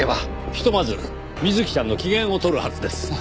ひとまず美月ちゃんの機嫌を取るはずです。